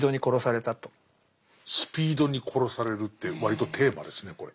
スピードに殺されるって割とテーマですねこれ。